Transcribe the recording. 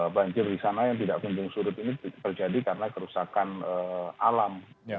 banjir di sana yang tidak kunjung surut ini terjadi karena kerusakan alam